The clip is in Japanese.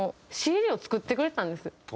ＣＤを作ってくれてたんです。